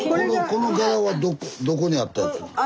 この柄はどこにあったやつ？